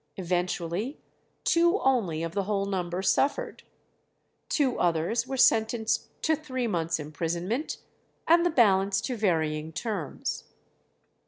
Eventually two only of the whole number suffered; two others were sentenced to three months' imprisonment, and the balance to varying terms.